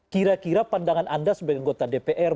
kira kira pandangan anda sebagai anggota dpr